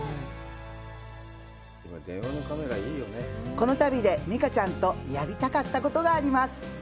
この旅で美佳ちゃんとやりたかったことがあります